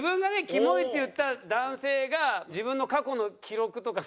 「キモイ」って言った男性が自分の過去の記録とかさ